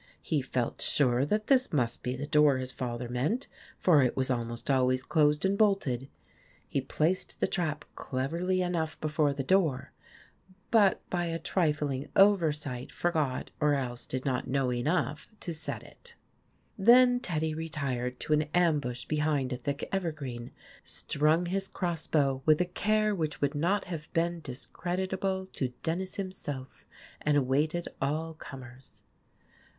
He felt sure that this must be the door his father meant, for it was almost always closed and bolted. He placed the trap cleverly enough before the door, but by a trifling oversight forgot, or else did not know enough, to set it. Then Teddy retired to an ambush behind a thick eversfreen, strung his cross bow with a care which would not o o have been discreditable to Denys himself, and awaited all comers.